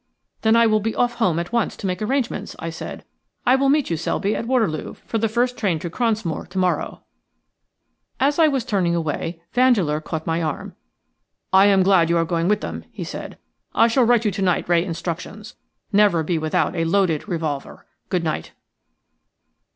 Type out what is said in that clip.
"Then I will be off home at once to make arrangements," I said. "I will meet you, Selby, at Waterloo for the first train to Cronsmoor to morrow." As I was turning away Vandeleur caught my arm. "I am glad you are going with them," he said. "I shall write to you tonight re instructions. Never be without a loaded revolver. Good night."